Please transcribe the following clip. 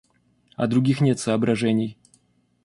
А других нет соображений.